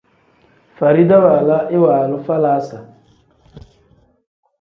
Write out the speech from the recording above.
Farida waala iwaalu falaasa.